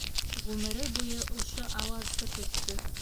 Ғүмере буйы ошо ауазды көттө.